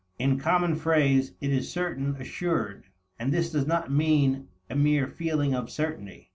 In common phrase, it is certain, assured. And this does not mean a mere feeling of certainty.